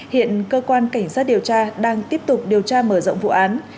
hiện cơ quan cảnh sát điều tra đang tiếp tục điều tra mở rộng vụ án